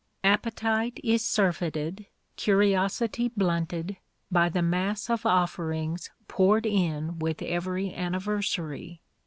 Appetite is surfeited, curiosity blunted, by the mass of offerings poured in with every anniversary.